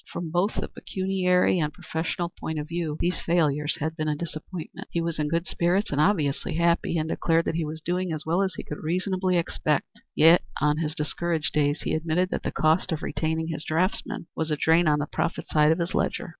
From both the pecuniary and professional point of view these failures had been a disappointment. He was in good spirits and obviously happy, and declared that he was doing as well as he could reasonably expect; yet on his discouraged days he admitted that the cost of retaining his draughtsmen was a drain on the profit side of his ledger.